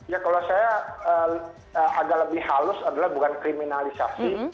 ya kalau saya agak lebih halus adalah bukan kriminalisasi